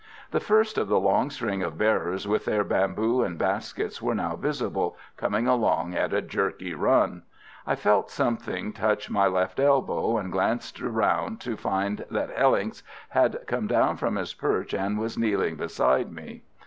The first of the long string of bearers with their bamboo and baskets were now visible, coming along at a jerky run. I felt something touch my left elbow, and glanced round to find that Hellincks had come down from his perch and was kneeling beside me.